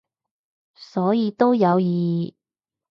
所以都有意義